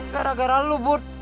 gara gara lu bud